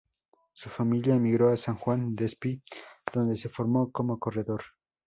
Su familia emigró a San Juan Despí donde se formó como corredor.